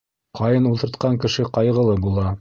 Ҡайын ултыртҡан кеше ҡайғылы була.